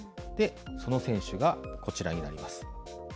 その選手がこちらになります。